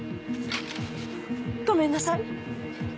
ごめんなさい。